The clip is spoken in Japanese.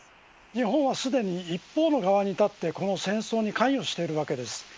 日本はすでに一方の側に立ってこの戦争に関与しているわけです。